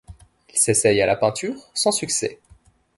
Il s’essaie à la peinture sans succès.